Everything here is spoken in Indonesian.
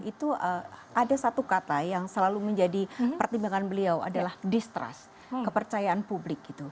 itu ada satu kata yang selalu menjadi pertimbangan beliau adalah distrust kepercayaan publik